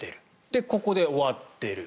で、ここで終わっている。